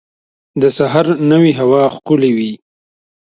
د سهار نوی هوا ښکلی وي.